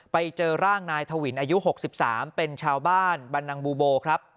ไปเจอร่างนายถวินอายุ๖๓เป็นชาวบ้านบรรนังบูโบครับ